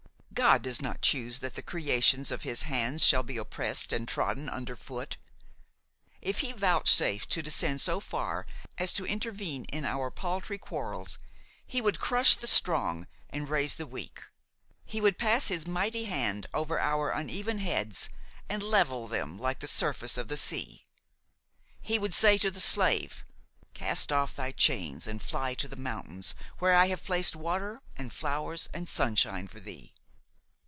God does not choose that the creations of His hands shall be oppressed and trodden under foot. If He vouchsafed to descend so far as to intervene in our paltry quarrels, He would crush the strong and raise the weak; He would pass His mighty hand over our uneven heads and level them like the surface of the sea; He would say to the slave: 'Cast off thy chains and fly to the mountains where I have placed water and flowers and sunshine for thee.'